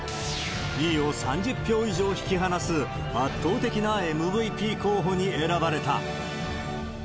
２位を３０票以上引き離す、圧倒的なＭＶＰ候補に選ばれた。